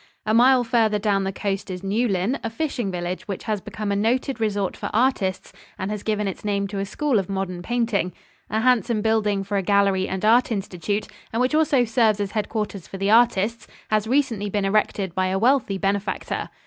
A mile farther down the coast is Newlyn, a fishing village which has become a noted resort for artists and has given its name to a school of modern painting. A handsome building for a gallery and art institute, and which also serves as headquarters for the artists, has recently been erected by a wealthy benefactor.